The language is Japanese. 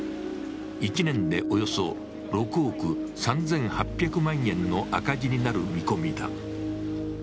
１年でおよそ６億３８００万円の赤字になる見込みだ。